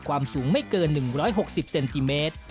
ความสูงไม่เกิน๑๖๐เซนติเมตร